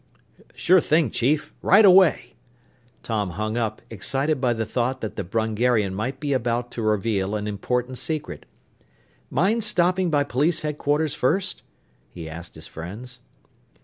"Sure thing, Chief. Right away!" Tom hung up, excited by the thought that the Brungarian might be about to reveal an important secret. "Mind stopping by police headquarters first?" he asked his friends.